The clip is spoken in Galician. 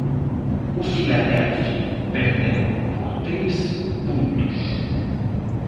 O Filadelfia perdeu por tres puntos.